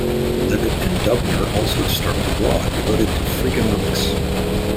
Levitt and Dubner also started a blog devoted to Freakonomics.